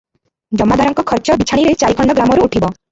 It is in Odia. ଜମାଦାରଙ୍କ ଖର୍ଚ୍ଚ ବିଛାଣିରେ ଚାରିଖଣ୍ଡ ଗ୍ରାମରୁ ଉଠିବ ।